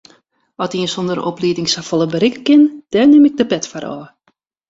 At ien sonder oplieding safolle berikke kin, dêr nim ik de pet foar ôf.